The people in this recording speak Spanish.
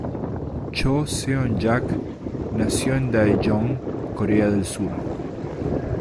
Cho Seon-jak nació en Daejeon, Corea del Sur.